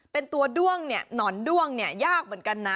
เป็นตัวด้วงเนี่ยหนอนด้วงเนี่ยยากเหมือนกันนะ